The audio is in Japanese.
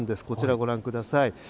こちらご覧ください。